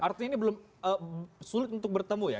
artinya ini belum sulit untuk bertemu ya